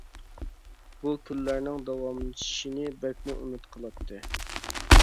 بۇ كۈنلەرنىڭ داۋاملىشىشىنى بەكمۇ ئۈمىد قىلاتتى.